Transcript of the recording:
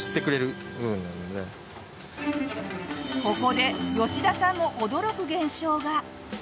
ここで吉田さんも驚く現象が！